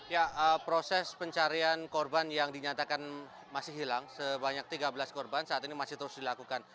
ya proses pencarian korban yang dinyatakan masih hilang sebanyak tiga belas korban saat ini masih terus dilakukan